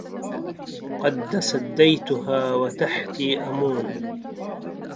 قد تسديتها وتحتي أمون